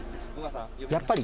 「やっぱり」？